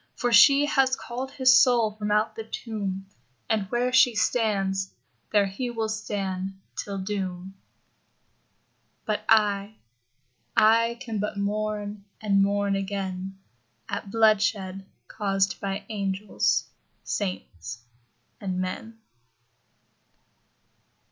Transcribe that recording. For she has called his soul from out the tomb. And where she stands, there he will stand till doom. ..... But I, I can but mourn, and mourn again At bloodshed caused by angels, saints, and men.